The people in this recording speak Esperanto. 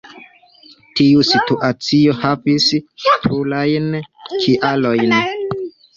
Tiu situacio havis plurajn kialojn.